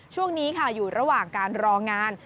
ช่วงนี้ค่ะอยู่ระหว่างการรองาน